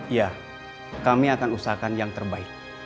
iya kami akan usahakan yang terbaik